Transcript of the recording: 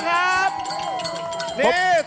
มาประมือประมือหน่อยนะครับ